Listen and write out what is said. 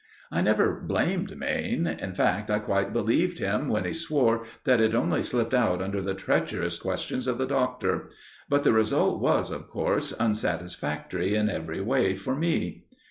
I never blamed Mayne; in fact, I quite believed him when he swore that it only slipped out under the treacherous questions of the Doctor; but the result was, of course, unsatisfactory in every way for me.